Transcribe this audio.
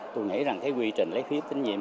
tôi nghĩ rằng quy trình lấy phiếu tín nhiệm